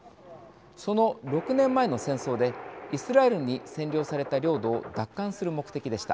その６年前の戦争でイスラエルに占領された領土を奪還する目的でした。